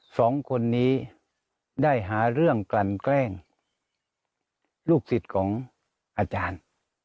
สองคนนี้ได้หาเรื่องกลั่นแกล้งลูกศิษย์ของอาจารย์